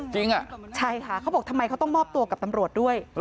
ใช่ค่ะเขาบอกทำไมเขาต้องมอบตัวกับตำรวจด้วย